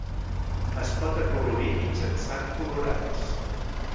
Es pot acolorir mitjançant colorants.